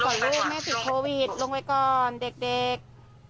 เขาอยากให้เขาได้เครียง